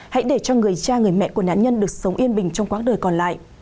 hãy để cho người cha người mẹ của nạn nhân được sống yên bình trong quãng đời còn lại